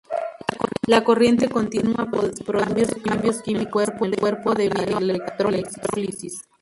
La corriente continua produce cambios químicos en el cuerpo, debido a la electrólisis.